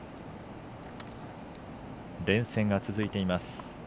連戦が続いています。